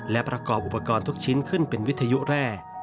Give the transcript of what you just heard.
และประกอบอุปกรณ์ทุกชิ้นขึ้นเป็นวิทยุแร่